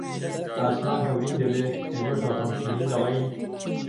ئاسمان هەورین دەبێ، ئێمەش بە غەمگینی دەڵێین: